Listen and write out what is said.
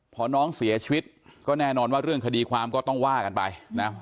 พอน้องเสียชีวิตก็แน่นอนว่าเรื่องคดีความก็ต้องว่ากันไปนะ